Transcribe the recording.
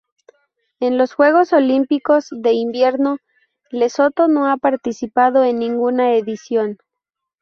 En los Juegos Olímpicos de Invierno Lesoto no ha participado en ninguna edición.